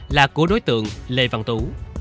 là của đối tượng lê văn tú